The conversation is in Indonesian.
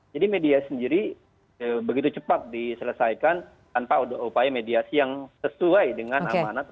jadi media sendiri begitu cepat diselesaikan tanpa upaya mediasi yang sesuai dengan amanat